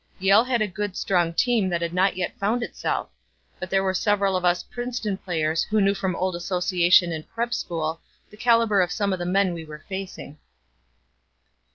Yale had a good, strong team that had not yet found itself. But there were several of us Princeton players who knew from old association in prep. school the calibre of some of the men we were facing.